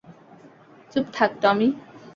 চুপ থাক, টমি!